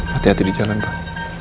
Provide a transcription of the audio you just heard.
hati hati di jalan pak